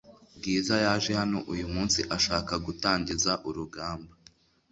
Bwiza yaje hano uyu munsi ashaka gutangiza urugamba